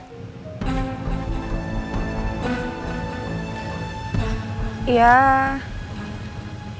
mbak elsa itu kenal sama mas riki kan ya